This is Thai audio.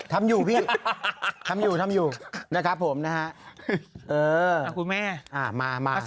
ทำอยู่ทำอยู่ทำอยู่นะครับผมนะฮะ